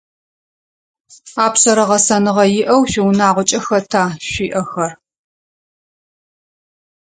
Апшъэрэ гъэсэныгъэ иӏэу шъуиунагъокӏэ хэта шъуиӏэхэр?